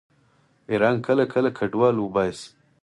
ایران کله کله کډوال وباسي.